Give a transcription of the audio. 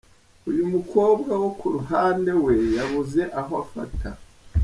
Uyu mukobwa wo kuruhande we yabuze aho afata.